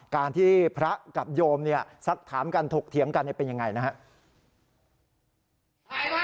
การที่พระกับโยมสักถามกันถกเถียงกันเป็นยังไงนะครับ